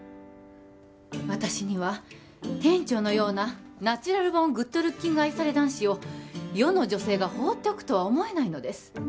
私には店長のようなナチュラルボーングッドルッキング愛され男子を世の女性が放っておくとは思えないのです